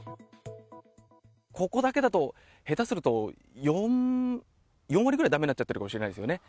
ここだけだと、下手すると４割ぐらいだめになっちゃってるかもしれないんですよね。